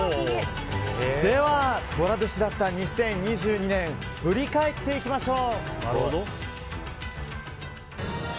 では寅年だった２０２２年を振り返っていきましょう。